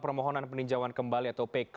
permohonan peninjauan kembali atau pk